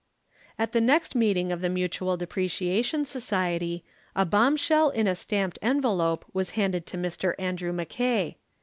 At the next meeting of the Mutual Depreciation Society, a bombshell in a stamped envelope was handed to Mr. Andrew Mackay.